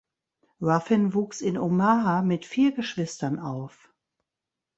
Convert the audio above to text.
Ruffin wuchs in Omaha mit vier Geschwistern auf.